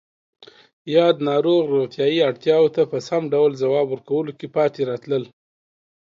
یاد ناروغ روغتیایی اړتیاوو ته په سم ډول ځواب ورکولو کې پاتې راتلل